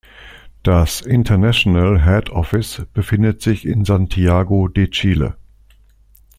Das international head office befindet sich in Santiago de Chile.